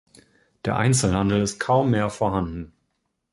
Der Einzelhandel ist kaum mehr vorhanden.